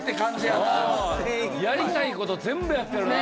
やりたい事全部やってるな。